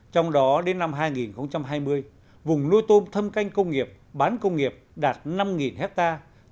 trong đó đến năm hai nghìn hai mươi vùng nuôi tôm thâm canh công nghiệp bán công nghiệp đạt năm hectare